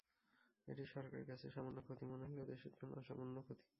এটি সরকারের কাছে সামান্য ক্ষতি মনে হলেও দেশের জন্য অসামান্য ক্ষতি।